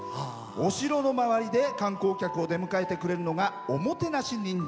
お城の周りで観光客を出迎えてくれるのが「おもてなし忍者」。